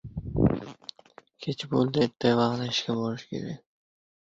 va shunga o‘xshash mayda narsalargacha.